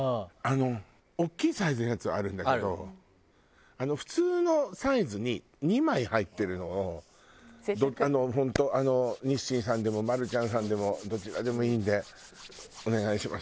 大きいサイズのやつはあるんだけど普通のサイズに２枚入ってるのをあの本当日清さんでもマルちゃんさんでもどちらでもいいんでお願いします